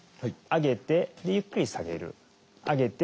上げてゆっくり下げる。